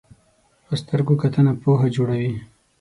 په سترګو کتنه پوهه جوړوي